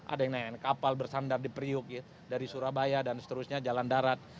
ada yang naik kapal bersandar di priuk dari surabaya dan seterusnya jalan darat